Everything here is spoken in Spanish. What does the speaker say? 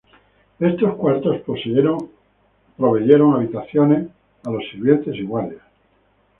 Estos cuartos proveyeron habitación a los sirvientes y guardias.